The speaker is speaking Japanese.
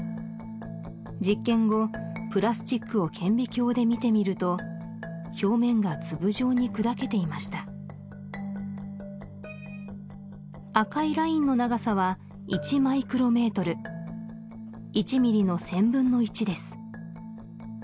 実験後プラスチックを顕微鏡で見てみると表面が粒状に砕けていました赤いラインの長さは１マイクロメートル１ミリの１０００分の１です